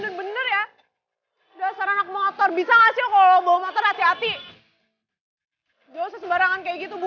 apalagi dia amarntis kecelakaan massunya langsung ke kampus